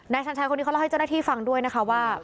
ชันชัยคนนี้เขาเล่าให้เจ้าหน้าที่ฟังด้วยนะคะว่า